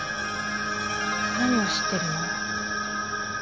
何を知ってるの？